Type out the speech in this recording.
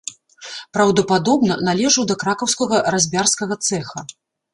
Праўдападобна, належаў да кракаўскага разьбярскага цэха.